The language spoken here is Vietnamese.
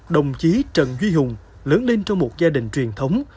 đồng chí trần duy hùng lớn lên trong một gia đình truyền thống